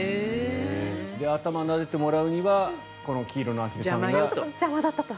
頭をなでてもらうにはこの黄色いアヒルさんが。